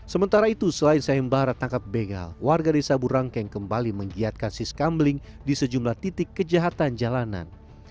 sementara itu selain sayembara tangkap begal warga desa burangkeng kembali menggiatkan siskambeling di sejumlah titik kejahatan jalanan